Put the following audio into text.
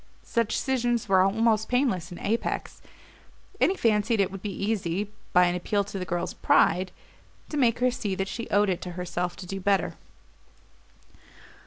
Such scissions were almost painless in Apex, and he had fancied it would be easy, by an appeal to the girl's pride, to make her see that she owed it to herself to do better.